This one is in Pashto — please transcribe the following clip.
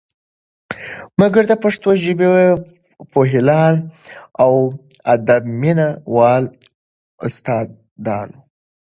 مګر د پښتو ژبې پوهیالان او د ادب مینه والو استا دانو